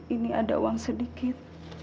ini ada uang sedikit